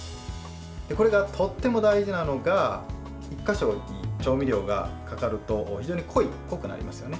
これがとても大事なのが１か所に調味料がかかると非常に濃くなりますよね。